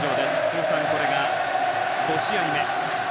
通算これが５試合目。